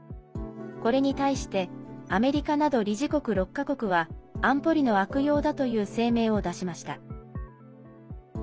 これに対してアメリカなど理事国６か国は「安保理の悪用」だという声明を出しました。